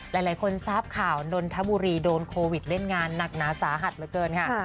หลายคนทราบข่าวนนทบุรีโดนโควิดเล่นงานหนักหนาสาหัสเหลือเกินค่ะ